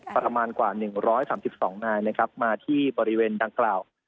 ประมาณกว่าหนึ่งร้อยสามสิบสองนายนะครับมาที่บริเวณดังกล่าว